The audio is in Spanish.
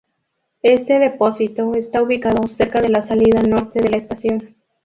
Este depósito está ubicado cerca de la salida norte de la estación.